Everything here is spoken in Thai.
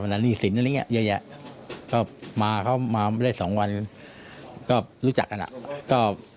อันนี้ขอโทษที่ถามคำถามเนี่ยครับผู้ใหญ่